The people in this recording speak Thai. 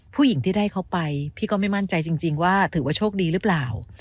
ผู้หญิงที่ได้เขาไปพี่ก็ไม่มั่นใจจริงว่าถือว่าโชคดีหรือเปล่า